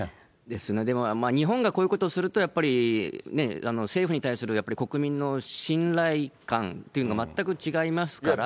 日本がこういうことをするとやっぱり、政府に対する国民の信頼感っていうのが全く違いますから。